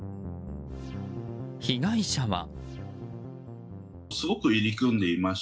被害者は。